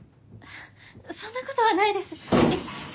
そんな事はないです。